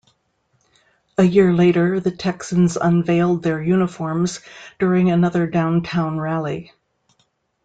A year later the Texans unveiled their uniforms during another downtown rally.